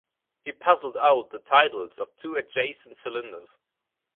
He puzzled out the titles of two adjacent cylinders.